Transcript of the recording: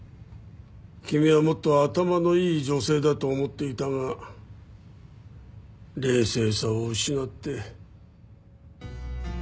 君はもっと頭のいい女性だと思っていたが冷静さを失って。